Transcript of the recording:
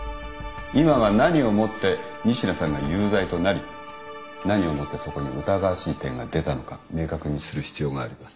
今は何をもって仁科さんが有罪となり何をもってそこに疑わしい点が出たのか明確にする必要があります。